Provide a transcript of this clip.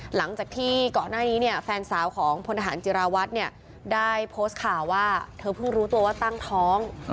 หลังจากที่ก่อนหน้านี้เนี่ยแฟนสาวของพลทหารจิราวัตรเนี่ยได้โพสต์ข่าวว่าเธอเพิ่งรู้ตัวว่าตั้งท้อง